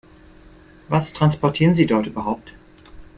Was transportieren Sie dort überhaupt?